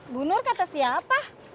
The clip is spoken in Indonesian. bu nur kata siapa